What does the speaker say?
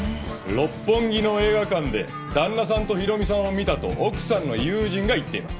六本木の映画館で旦那さんと博美さんを見たと奥さんの友人が言っています。